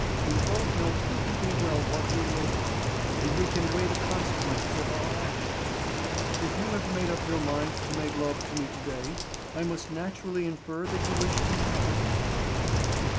We both know perfectly well what we are about and we can weigh the consequences of our actions. If you have made up your mind to make love to me to day I must naturally infer that you wish to marry me."